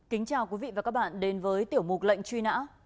kính chào quý vị và các bạn đến với tiểu mục lệnh truy nã